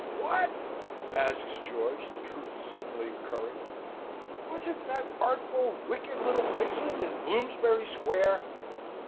"What?" asks George, the truth suddenly occurring. "Was it that artful, wicked little vixen in Bloomsbury Square?"